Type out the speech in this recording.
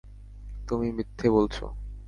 তুমি মিথ্যে বলছ!